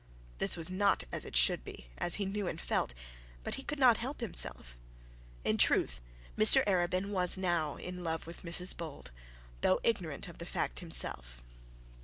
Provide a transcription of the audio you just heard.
This was not as it should be, as he knew and felt; but he could not help himself. In truth Mr Arabin was now in love with Mrs Bold, though ignorant of the fact himself.